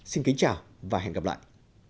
xin kính chào và hẹn gặp lại